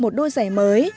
một đôi giày mới